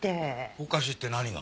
おかしいって何が？